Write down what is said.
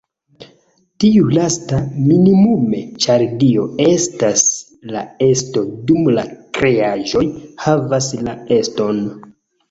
Tiu lasta, minimume, ĉar Dio estas la Esto dum la kreaĵoj "havas" la eston.